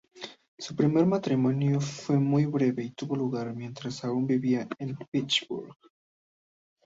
Su primer matrimonio fue muy breve y tuvo lugar mientras aún vivía en Pittsburgh.